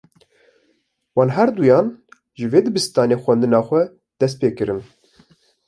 Wan her duyan, ji wê dibistanê xwendina xwe dest pê kirin